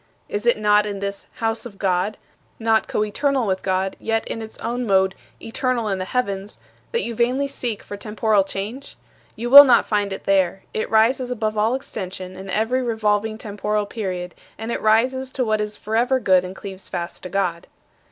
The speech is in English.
Is it not in this 'house of God' not coeternal with God, yet in its own mode 'eternal in the heavens' that you vainly seek for temporal change? You will not find it there. It rises above all extension and every revolving temporal period, and it rises to what is forever good and cleaves fast to God."